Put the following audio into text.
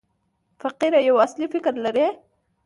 فقره یو اصلي فکر لري.